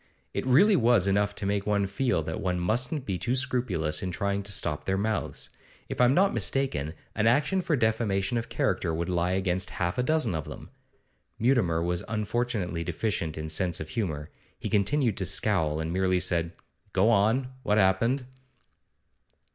It really was enough to make one feel that one mustn't be too scrupulous in trying to stop their mouths. If I'm not mistaken, an action for defamation of character would lie against half a dozen of them.' Mutimer was unfortunately deficient in sense of humour. He continued to scowl, and merely said: 'Go on; what happened?